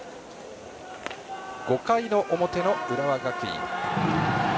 ５回の表の浦和学院。